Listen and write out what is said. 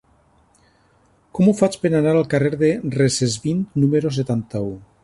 Com ho faig per anar al carrer de Recesvint número setanta-u?